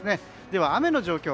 では雨の状況